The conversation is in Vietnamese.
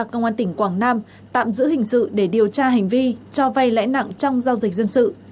công an tỉnh quảng nam tạm giữ hình sự để điều tra hành vi cho vay lãi nặng trong giao dịch dân sự